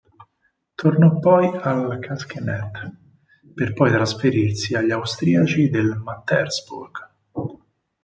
Tornò poi al Kecskemét, per poi trasferirsi agli austriaci del Mattersburg.